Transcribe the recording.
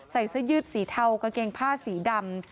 เสื้อยืดสีเทากางเกงผ้าสีดำ